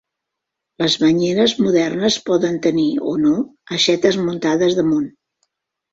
Les banyeres modernes poden tenir o no aixetes muntades damunt.